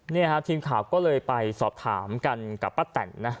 นี่ครับทีมข่าวก็เลยไปสอบถามกันกับป้าแต่งนะ